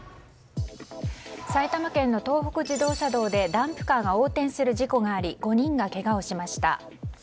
埼玉県の東北自動車道でダンプカーが横転する事故があり５人がけがをしました。